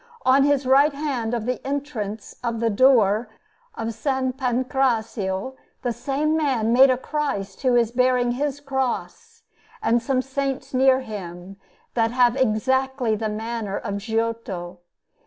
On the right hand of the entrance of the door of S. Pancrazio the same man made a Christ who is bearing His Cross, and some Saints near Him, that have exactly the manner of Giotto.